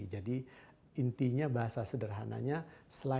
jadi intinya bahasa sederhananya selain pinjaman pinjaman seluruhnya